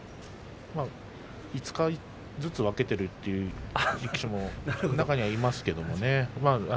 ５日ずつ分けているという力士も中には、いますけれどもね。